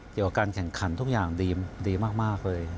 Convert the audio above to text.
เกี่ยวกับการแข่งขันทุกอย่างดีมากเลย